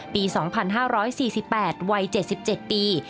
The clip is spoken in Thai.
ปี๒๕๔๘วัย๗๗ปี